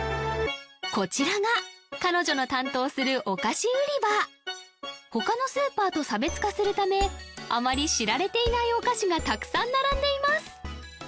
こちらが彼女の担当するお菓子売り場他のスーパーと差別化するためあまり知られていないお菓子がたくさん並んでいます